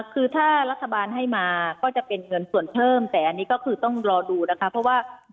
คือถ้ารัฐบาลให้มาก็จะเป็นเงินส่วนเพิ่มแต่อันนี้ก็คือต้องรอดูนะคะเพราะว่า